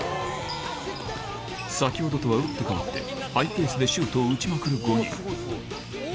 先ほどとは打って変わってハイペースでシュートを打ちまくる５人おぉ！